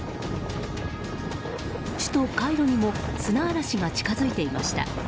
首都カイロにも砂嵐が近づいていました。